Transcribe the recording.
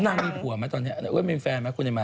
ต้องเคลียร์กับคุณแม่มาว่าอะไรไม่ขนาดนี้